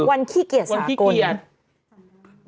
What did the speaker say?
วันขี้เกียจสากล